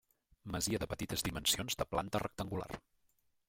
Masia de petites dimensions, de planta rectangular.